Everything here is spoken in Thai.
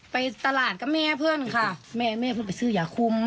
ไปตลาดกับแม่เพื่อนค่ะแม่แม่เพิ่งไปซื้อยาคุม